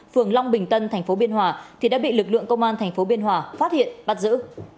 phường long bình tân tp biên hòa thì đã bị lực lượng công an thành phố biên hòa phát hiện bắt giữ